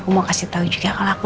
gimana persiapan keberangkatan kamu